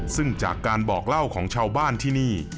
ซึ่งจากการบอกเล่าของชาวบ้านที่นี่